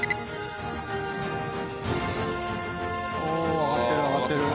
おお上がってる上がってる。